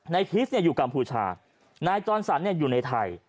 คริสอยู่กัมพูชานายจรสันอยู่ในไทย